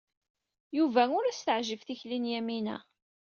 Yuba ur as-teɛjib tikli n Yamina.